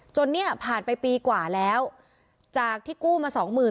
จนเนี่ยผ่านไปปีกว่าแล้วจากที่กู้มาสองหมื่น